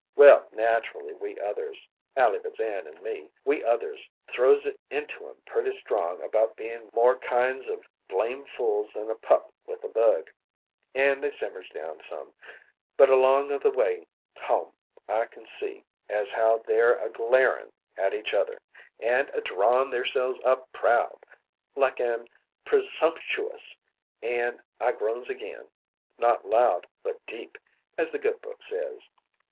"Well, naturally, we others Ally Bazan an' me we others throws it into 'em pretty strong about bein' more kinds of blame fools than a pup with a bug; an' they simmers down some, but along o' the way home I kin see as how they're a glarin' at each other, an' a drawin' theirselves up proud like an' presumptchoous, an' I groans again, not loud but deep, as the Good Book says.